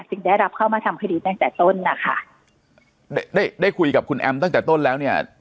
ซึ่งได้รับเข้ามาทำคดีตั้งแต่ต้นนะคะได้ได้คุยกับคุณแอมตั้งแต่ต้นแล้วเนี่ย